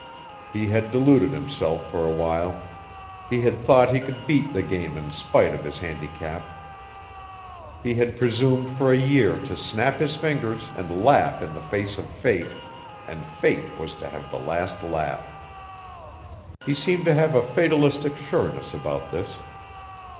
He had deluded himself for a while. He had thought he could beat the game in spite of his handicap. He had presumed for a year to snap his fingers and laugh in the face of Fate, and Fate was to have the last laugh. He seemed to have a fatalistic sureness about this.